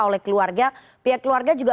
oleh keluarga pihak keluarga juga